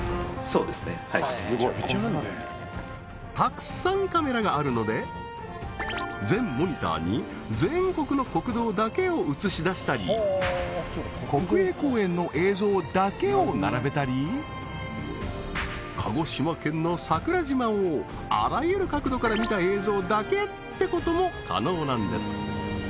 そうですねはいたくさんカメラがあるので全モニターに全国の国道だけを映し出したり国営公園の映像だけを並べたり鹿児島県の桜島をあらゆる角度から見た映像だけってことも可能なんです